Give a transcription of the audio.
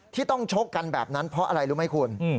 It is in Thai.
ที่ต้องชกกันแบบนั้นเพราะอะไรรู้ไหมคุณ